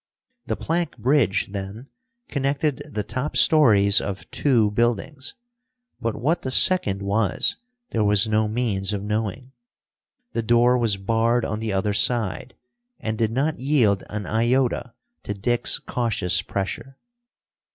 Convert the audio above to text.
The plank bridge, then, connected the top stories of two buildings, but what the second was, there was no means of knowing. The door was barred on the other side, and did not yield an iota to Dick's cautious pressure.